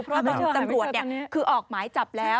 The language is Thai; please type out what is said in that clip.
เพราะว่าตำรวจเนี่ยคือออกหมายจับแล้ว